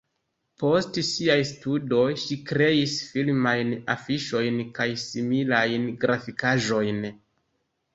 Post siaj studoj ŝi kreis filmajn afiŝojn kaj similajn grafikaĵojn.